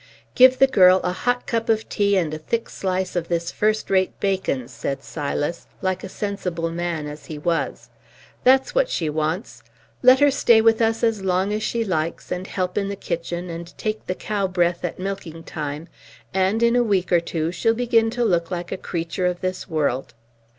"Give the girl a hot cup of tea and a thick slice of this first rate bacon," said Silas, like a sensible man as he was. "That's what she wants. Let her stay with us as long as she likes, and help in the kitchen, and take the cow breath at milking time; and, in a week or two, she'll begin to look like a creature of this world."